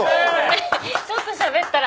ちょっとしゃべったら。